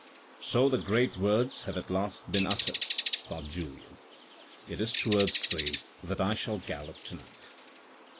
"So the great words have at last been uttered," thought Julien. " It is towards the that I shall gallop to night."